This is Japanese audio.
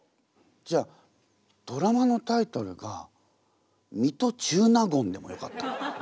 じゃあドラマのタイトルが「水戸中納言」でもよかった。